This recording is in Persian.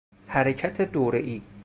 حرکت دوره ای